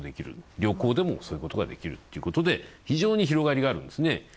旅行でもそういうことができるということで非常に広がりがあるんですね。